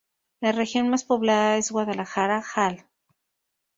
La región más poblada es Guadalajara, Jal.